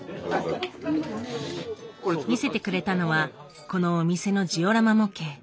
見せてくれたのはこのお店のジオラマ模型。